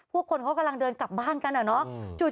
คนเขากำลังเดินกลับบ้านกันอะเนาะ